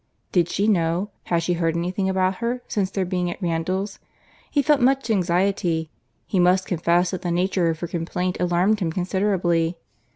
"Did she know?—had she heard any thing about her, since their being at Randalls?—he felt much anxiety—he must confess that the nature of her complaint alarmed him considerably."